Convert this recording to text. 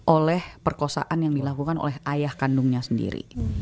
oleh perkosaan yang dilakukan oleh ayah kandungnya sendiri